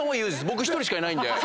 僕１人しかいないんで。